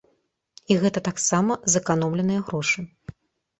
І гэта таксама зэканомленыя грошы.